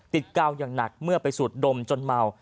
กาวอย่างหนักเมื่อไปสูดดมจนเมา